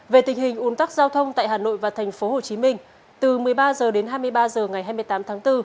về tình hình ủn tắc giao thông tại hà nội và tp hcm từ một mươi ba h đến hai mươi ba h ngày hai mươi tám tháng bốn